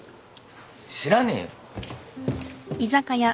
知らねえよ。